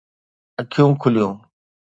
اکيون کُليون